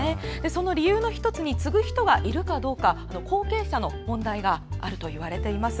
その理由の１つに継ぐ人がいるかどうか後継者の問題があるといわれています。